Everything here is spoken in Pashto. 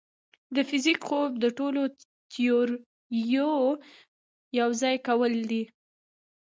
د فزیک خوب د ټولو تیوريو یوځای کول دي.